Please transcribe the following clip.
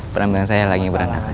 peran peran saya lagi berantakan